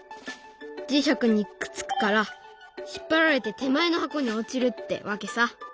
磁石にくっつくから引っ張られて手前の箱に落ちるってわけさ。